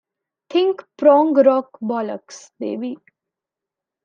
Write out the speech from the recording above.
Think prog-rock bollocks, baby!